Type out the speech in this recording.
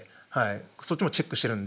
そっちもチェックしてるので。